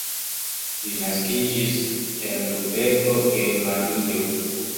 Li naskiĝis en Lubeko, Germanio.